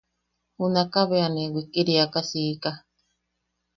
Junakaʼa bea ne wikiriaka siika.